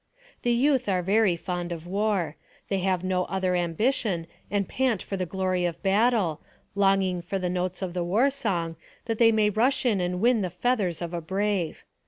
The youth are very fond of war. They have no other ambition, and pant for the glory of battle, long ing for the notes of the war song, that they may rush in and win the feathers of a brave.